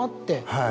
はい。